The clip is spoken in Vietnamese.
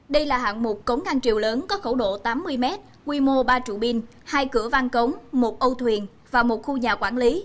đây là hạng mục cống ngang triều lớn có khẩu độ tám mươi mét quy mô ba trụ bin hai cửa vang cống một âu thuyền và một khu nhà quản lý